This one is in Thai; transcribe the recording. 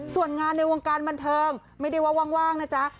ส่วนงานในวงการบันเทิงไม่ได้ว่าว่างนะจ๊ะ